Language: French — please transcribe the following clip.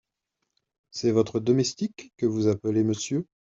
C’est votre domestique que vous appelez "monsieur" ?